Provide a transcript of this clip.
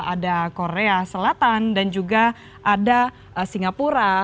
ada korea selatan dan juga ada singapura